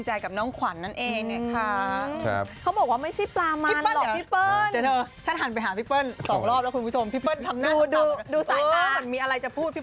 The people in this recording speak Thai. เห็นใจนะฮะ